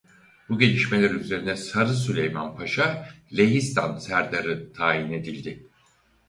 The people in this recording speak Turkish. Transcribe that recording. Bu gelişmeler üzerine Sarı Süleyman Paşa "Lehistan Serdarı" tayin edildi.